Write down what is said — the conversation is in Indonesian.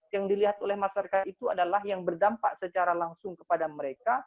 yang dilihat oleh masyarakat itu adalah yang berdampak secara langsung kepada mereka